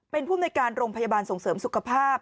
เป็นภูมิในการโรงพยาบาลส่งเสริมสุขภาพ